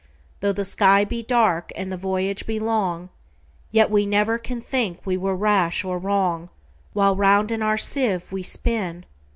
Though the sky be dark, and the voyage be long, Yet we never can think we were rash or wrong, While round in our sieve we spin."